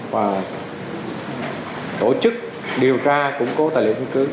và tổ chức điều tra củng cố tài liệu chứng cứ